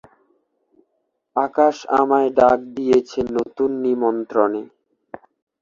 আকাশ আমায় ডাক দিয়েছে নতুন নিমন্ত্রণে।